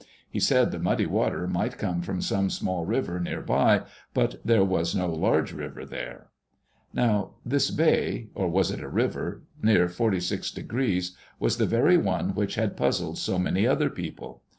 He said the muddy water might come from some small river near by, but there was no large river there. Now this "bay" — or was it a river? — near 46° was the very one which had puzzled so many other people.